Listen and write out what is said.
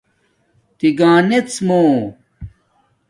تگنژمُو